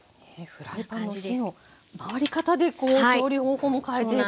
フライパンの火の回り方で調理方法も変えていくという。